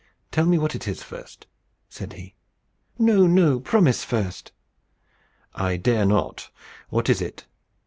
"Tell me what it is first," said he. "No no. Promise first." "I dare not. What is it?"